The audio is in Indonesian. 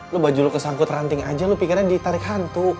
lo baju lo ke sangkut ranting aja lo pikirnya ditarik hantu